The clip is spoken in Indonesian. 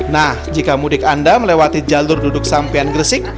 nah jika mudik anda melewati jalur duduk sampean gresik